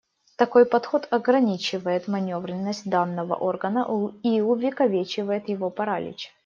Такой подход ограничивает манёвренность данного органа и увековечивает его паралич.